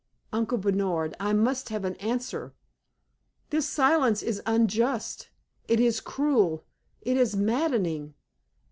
Uncle Bernard, I must have an answer! This silence is unjust; it is cruel; it is maddening!